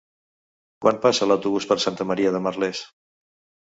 Quan passa l'autobús per Santa Maria de Merlès?